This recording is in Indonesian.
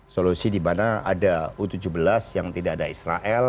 solusi di mana ada u tujuh belas yang tidak ada israel